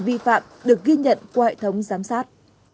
vi phạm được ghi nhận qua hệ thống giám sát